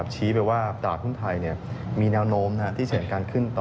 ชี้ไปว่าตากทุ่มไทยมีแนวโน้มที่เฉียนการขึ้นต่อ